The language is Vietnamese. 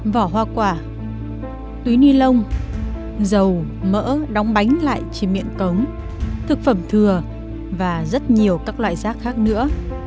vỏ hoa quả túi ni lông dầu mỡ đóng bánh lại trên miệng cống thực phẩm thừa và rất nhiều các loại rác khác nữa